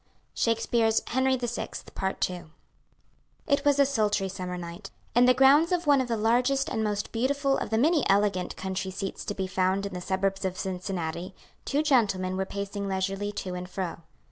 SHAKESPEARE'S "HENRY VI.," PART II. It was a sultry summer night. In the grounds of one of the largest and most beautiful of the many elegant country seats to be found in the suburbs of Cincinnati two gentlemen were pacing leisurely to and fro.